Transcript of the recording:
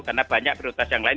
karena banyak prioritas yang lain